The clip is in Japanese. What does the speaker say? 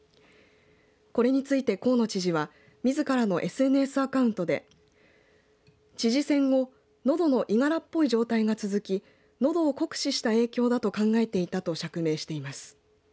これについて、河野知事はみずからのＳＮＳアカウントで知事選後のどのいがらっぽい状態が続きのどを酷使した影響だと考えていたと釈明しています。